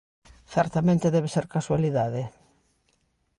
Certamente debe ser casualidade.